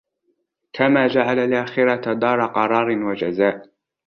كَمَا جَعَلَ الْآخِرَةَ دَارَ قَرَارٍ وَجَزَاءٍ